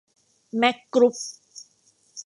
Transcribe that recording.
แม็คกรุ๊ป